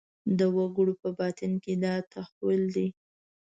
د وګړي په باطن کې دا تحول دی.